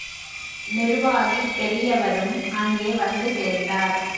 நிர்வாகிப் பெரியவரும் அங்கே வந்து சேர்ந்தார்.